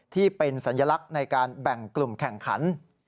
ที่เป็นสัญลักษณ์ในการแบ่งกลุ่มแข่งขัน